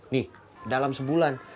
nih dalam sebulan